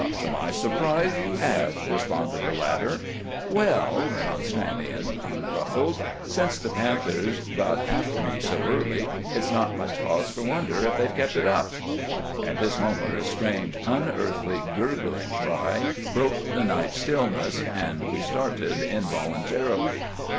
"To my surprise, you have!" responded the latter. "Well," went on Stranion, unruffled, "since the panthers got after me so early, it's not much cause for wonder if they've kept it up." At this moment a strange, unearthly, gurgling cry broke the night's stillness, and we started involuntarily.